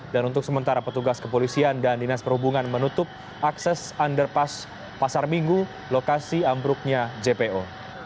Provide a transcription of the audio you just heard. dan untuk sementara petugas kepolisian dan dinas perhubungan menutup akses underpass pasar minggu lokasi ambruknya jpo